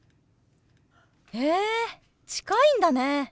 へえ近いんだね。